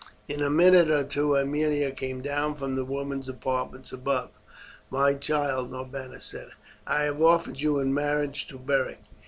In a minute or two Aemilia came down from the women's apartments above. "My child," Norbanus said, "I have offered you in marriage to Beric.